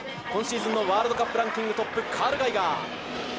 今シーズンのワールドカップランキングトップカール・ガイガー。